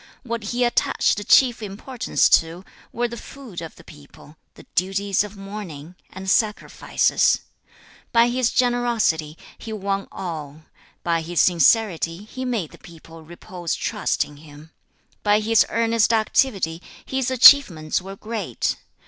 8. What he attached chief importance to, were the food of the people, the duties of mourning, and sacrifices. 9. By his generosity, he won all. By his sincerity, he made the people repose trust in him. By his earnest activity, his achievements were great.